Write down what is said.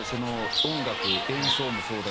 音楽演奏もそうだし